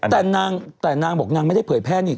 แต่นางแต่นางบอกนางไม่ได้เผยแพร่นี่